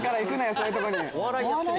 そういうとこに。